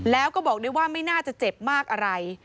แล้วก็บอกด้วยว่าไม่น่าจะเจ็บมากอะไร